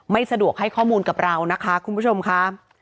ไม่สะดวกให้ข้อมูลกับเรานะคะคุณผู้ชมค่ะ